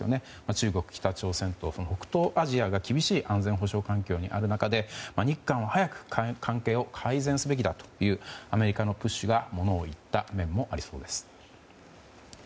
中国、北朝鮮と北東アジアが厳しい安全保障環境にある中で日韓の改善を早く解決すべきだとアメリカのプッシュが物を言った面もありそうです。